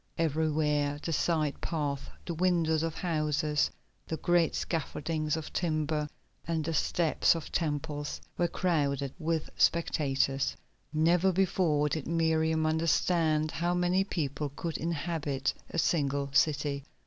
Everywhere the side paths, the windows of houses, the great scaffoldings of timber, and the steps of temples were crowded with spectators. Never before did Miriam understand how many people could inhabit a single city.